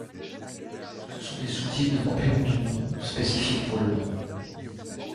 Ce sont des sous-types de complément du nom spécifiques pour le nom.